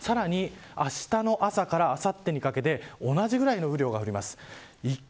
さらにあしたの朝からあさってにかけて同じぐらいの雨量が降ります。